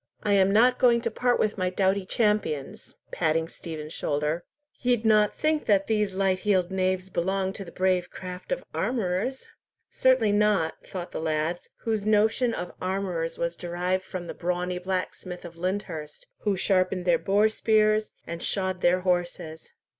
I am not going to part with my doughty champions!"—patting Stephen's shoulder. "Ye'd not think that these light heeled knaves belonged to the brave craft of armourers?" "Certainly not," thought the lads, whose notion of armourers was derived from the brawny blacksmith of Lyndhurst, who sharpened their boar spears and shod their horses.